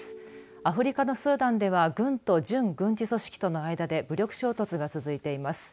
アフリカのスーダンでは軍と準軍事組織との間で武力衝突が続いています。